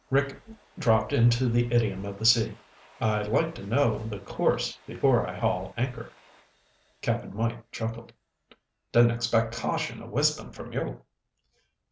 Rick dropped into the idiom of the sea. "I like to know the course before I haul anchor." Cap'n Mike chuckled. "Didn't expect caution or wisdom from you."